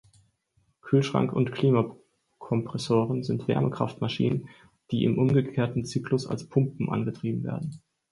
Kühlschrank- und Klimakompressoren sind Wärmekraftmaschinen, die im umgekehrten Zyklus als Pumpen angetrieben werden.